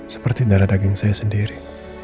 seperti darah daging saya sendiri